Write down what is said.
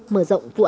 mở rộng vụ án